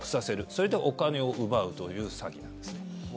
それでお金を奪うという詐欺なんですね。